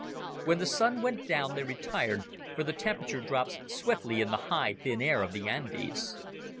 When the Sun went down, they retired, for the temperature drops swiftly in the high, thin air of the Andes.